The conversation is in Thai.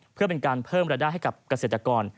เพื่อเป็นการเพิ่มรายได้ให้กับเกษตรกร